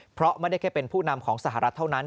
เพราะไม่ได้แค่เป็นผู้นำของสหรัฐเท่านั้น